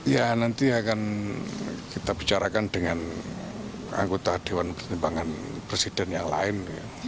ya nanti akan kita bicarakan dengan anggota dewan pertimbangan presiden yang lain